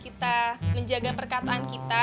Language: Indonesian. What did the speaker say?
kita menjaga perkataan kita